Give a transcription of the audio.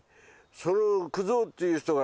その九蔵っていう人がねまあね